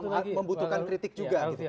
memang membutuhkan kritik juga